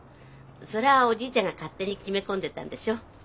それはおじいちゃんが勝手に決め込んでたんでしょ。